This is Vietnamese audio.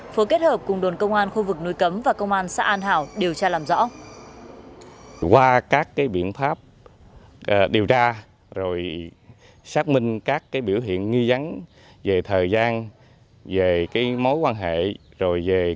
phối kết hợp cùng đồn công an khu vực núi cấm và công an xã an hảo điều tra làm rõ